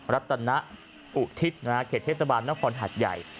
รัตนอุทิศเขตเทศบาลนครหัดใหญ่